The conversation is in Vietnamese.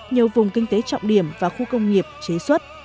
nhiều vùng kinh tế trọng điểm và khu công nghiệp chế xuất